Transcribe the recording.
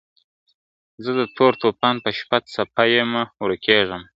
زه د تور توپان په شپه څپه یمه ورکېږمه ..